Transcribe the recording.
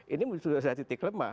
ini sudah titik lemah